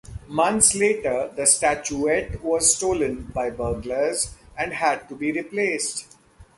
Months later, the statuette was stolen by burglars and had to be replaced.